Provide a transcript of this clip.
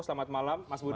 selamat malam mas budi